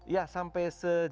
ya sampai sejauh ini